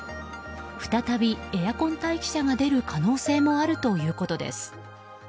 再び、エアコン待機者が出る可能性もあるということです。